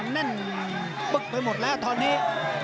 แน่นปึ๊กไปหมดแล้วตอนนี้